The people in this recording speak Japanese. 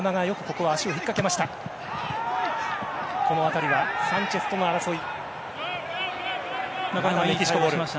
この辺りはサンチェスとの争い。